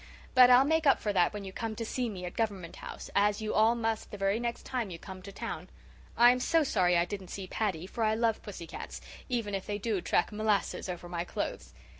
But I'll make up for that when you come to see me at Government House, as you all must the very next time you come to town. I'm so sorry I didn't see Paddy, for I love pussy cats, even if they do track molasses over my clothes.